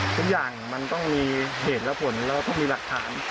ทุกอย่างมันต้องมีเหตุและผลแล้วก็ต้องมีหลักฐาน